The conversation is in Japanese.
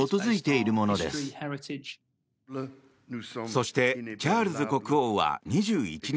そして、チャールズ国王は２１日